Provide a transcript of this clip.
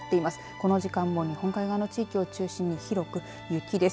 この時間も日本海側の地域を中心に広く雪です。